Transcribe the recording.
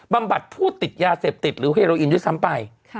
บำบัดผู้ติดยาเสพติดหรือเฮโรอินด้วยซ้ำไป